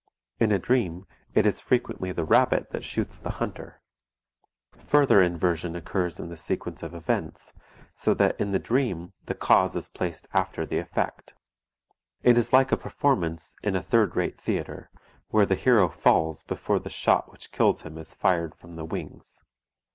In a dream it is frequently the rabbit that shoots the hunter. Further inversion occurs in the sequence of events, so that in the dream the cause is placed after the effect. It is like a performance in a third rate theatre, where the hero falls before the shot which kills him is fired from the wings.